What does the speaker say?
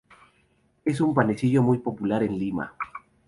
Es un panecillo muy popular en Lima.